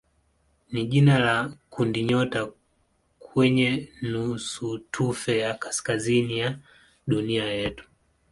ni jina la kundinyota kwenye nusutufe ya kaskazini ya dunia yetu.